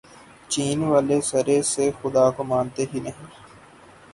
چین والے سرے سے خدا کو مانتے ہی نہیں۔